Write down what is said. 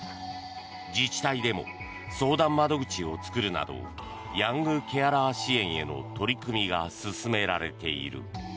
自治体でも相談窓口を作るなどヤングケアラー支援への取り組みが進められている。